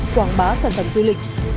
quảng bá sản phẩm du lịch